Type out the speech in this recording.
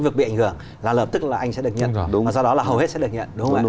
và sau đó là hầu hết sẽ được nhận